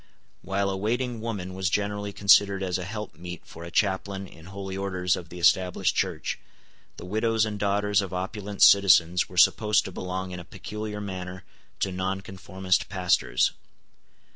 While a waiting woman was generally considered as a help meet for a chaplain in holy orders of the Established Church, the widows and daughters of opulent citizens were supposed to belong in a peculiar manner to nonconformist pastors.